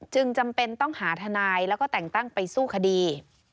จำเป็นต้องหาทนายแล้วก็แต่งตั้งไปสู้คดี